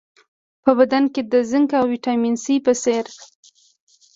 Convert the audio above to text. په بدن کې د زېنک او ویټامین سي په څېر